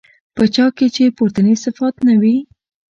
په چا كي چي پورتني صفات نه وي